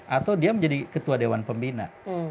atau dia menjadi ketua dewan pembina